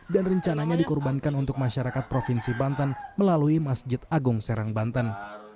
dan rencananya dikorbankan untuk masyarakat provinsi banten melalui masjid agung serang banten